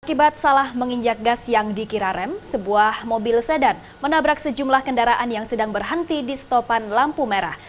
akibat salah menginjak gas yang dikira rem sebuah mobil sedan menabrak sejumlah kendaraan yang sedang berhenti di stopan lampu merah